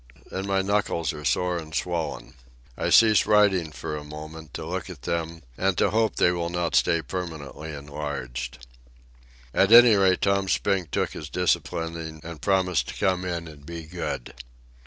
And my knuckles are sore and swollen. I cease writing for a moment to look at them and to hope that they will not stay permanently enlarged. At any rate, Tom Spink took his disciplining and promised to come in and be good.